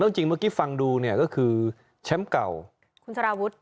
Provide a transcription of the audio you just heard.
จริงเมื่อกี้ฟังดูเนี่ยก็คือแชมป์เก่าคุณสารวุฒิ